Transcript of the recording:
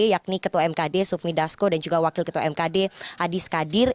yakni ketua mkd sufmi dasko dan juga wakil ketua mkd adi skadir